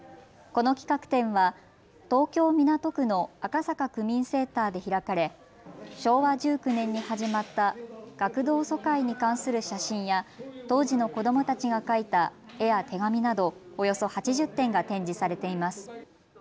この企画展は東京港区の赤坂区民センターで開かれ昭和１９年に始まった学童疎開に関する写真や当時の子どもたちが書いた絵や手紙などおよそ８０点が展示されています。